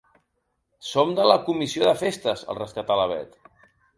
Som de la comissió de festes —el rescatà la Bet.